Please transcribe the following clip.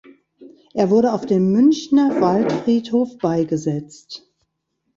Er wurde auf dem Münchner Waldfriedhof beigesetzt.